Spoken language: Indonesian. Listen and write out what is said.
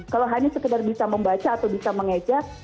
kalau hanya sekedar bisa membaca atau bisa mengejak